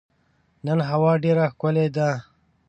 نن هوا ډېره ښکلې ده.